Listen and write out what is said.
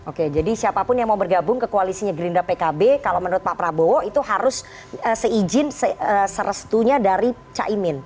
oke jadi siapapun yang mau bergabung ke koalisinya gerindra pkb kalau menurut pak prabowo itu harus seizin serestunya dari caimin